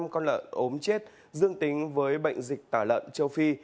năm con lợn ốm chết dương tính với bệnh dịch tả lợn châu phi